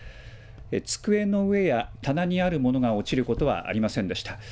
机の上や、棚にあるものが落ちることはありませんでした。